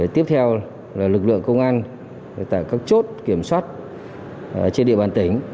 tiếp theo là lực lượng công an tại các chốt kiểm soát trên địa bàn tỉnh